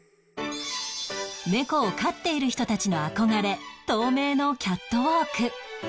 猫を飼っている人たちの憧れ透明のキャットウォーク